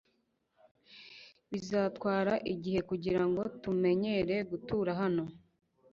Bizatwara igihe kugirango tumenyere gutura hano.